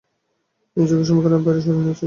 নিজেকে সমীকরণের বাইরে সরিয়ে নিয়েছিলাম।